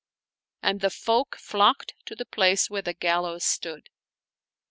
" And the folk flocked to the place where the gallows stood.